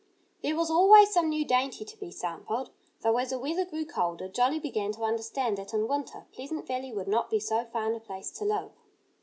There was always some new dainty to be sampled; though as the weather grew colder Jolly began to understand that in winter Pleasant Valley would not be so fine a place to live.